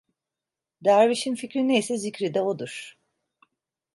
Dervişin fikri ne ise zikri de odur.